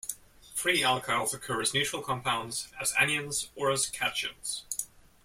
Free alkyls occur as neutral compounds, as anions, or as cations.